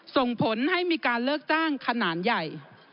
ส่งผลให้มีการเลิกจ้างขนาดใหญ่